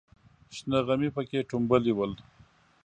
شنه غمي پکې ټومبلې ول.